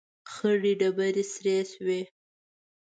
، خړې ډبرې سرې شوې.